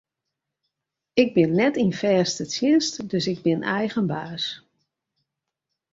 Ik bin net yn fêste tsjinst, dus ik bin eigen baas.